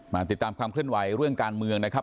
ติดตามความเคลื่อนไหวเรื่องการเมืองนะครับ